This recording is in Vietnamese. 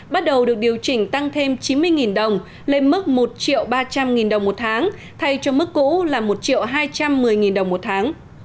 bắt đầu được điều chỉnh tăng thêm chín mươi đồng lên mức một triệu ba trăm linh đồng một tháng thay cho mức cũ là một hai trăm một mươi đồng một tháng